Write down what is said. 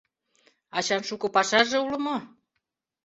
Ачан шуко пашаже уло мо?